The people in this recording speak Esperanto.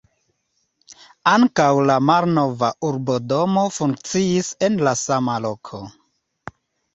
Ankaŭ la malnova urbodomo funkciis en la sama loko.